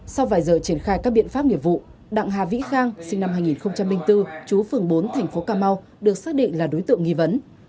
sau vài giờ triển khai các biện pháp nghiệp vụ đặng hà vĩ khang sinh năm hai nghìn bốn chú phường bốn thành phố cà mau được xác định là đối tượng nghi vấn